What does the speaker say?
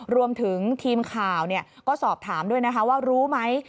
รวมถึงทีมข่าวก็สอบถามด้วยนะคะว่ารู้ไหม